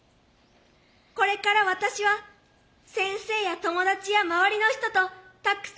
これから私は先生や友達や周りの人とたくさん笑います。